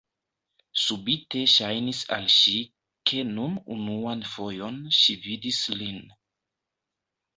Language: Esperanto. Subite ŝajnis al ŝi, ke nun unuan fojon ŝi vidis lin.